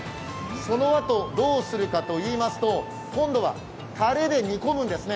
そのあとどうするかといいますと今度はたれで煮込むんですね。